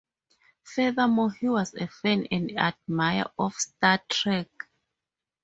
Furthermore, he was a fan and admirer of "Star Trek".